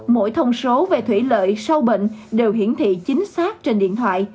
mỗi thông số về thủy lợi sâu bệnh đều hiển thị chính xác trên điện thoại